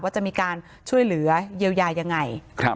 ว่าจะมีการช่วยเหลือเยียวยายังไง